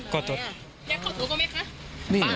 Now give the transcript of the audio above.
ขอโทษพี่พิมขอโทษ